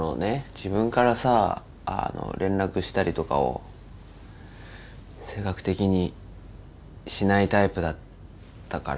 自分からさ連絡したりとかを性格的にしないタイプだったから。